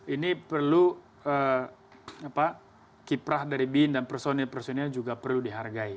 ini perlu kiprah dari bin dan personil personil juga perlu dihargai